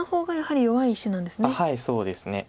はいそうですね。